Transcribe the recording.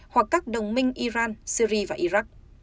hoặc các đồng minh iran syri và iraq